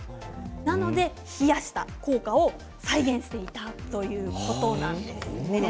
なので冷やした効果を再現していたということなんです。